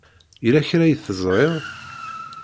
Yella kra i teẓṛiḍ?